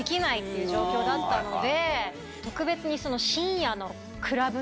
いう状況だったので。